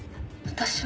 私は。